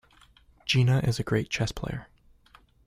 Gina is a great chess player.